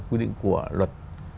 quy định của luật